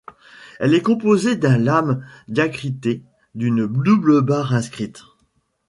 Elle est composée d’un lām diacrité d’une double barre inscrite.